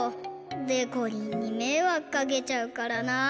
でこりんにめいわくかけちゃうからなあ。